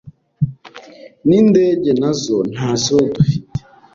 n’indege nazo ntazo dufite,